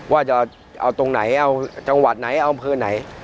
ว่าจะเอาตรงไหนเอาจังหวัดไหนอำเภอไหน